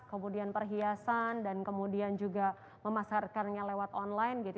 kemudian perhiasan dan kemudian juga memasarkannya lewat online gitu